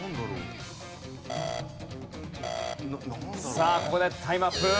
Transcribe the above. さあここでタイムアップ。